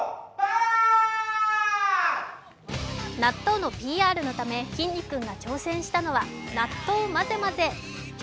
納豆のＰＲのため、きんに君が挑戦したのは納豆まぜまぜ。